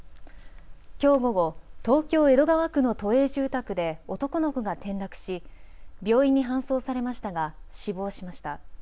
きょう午後、東京江戸川区の都営住宅で男の子が転落し病院に搬送されましたが死亡しました。